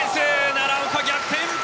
奈良岡、逆転。